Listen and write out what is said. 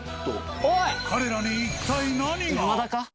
彼らに一体何が。